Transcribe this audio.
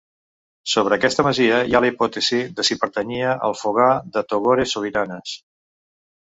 Sobre aquesta masia hi ha la hipòtesi de si pertanyia al fogar de Togores Sobiranes.